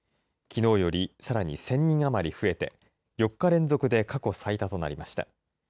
きのうよりさらに１０００人余り増えて、４日連続で過去最多となりました。